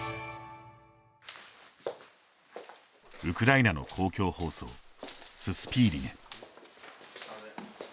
ウクライナの公共放送ススピーリネ。